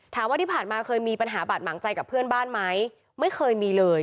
ถามว่าที่ผ่านมาเคยมีปัญหาบาดหมางใจกับเพื่อนบ้านไหมไม่เคยมีเลย